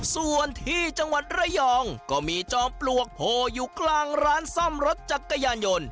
ส่วนที่จังหวัดระยองก็มีจอมปลวกโผล่อยู่กลางร้านซ่อมรถจักรยานยนต์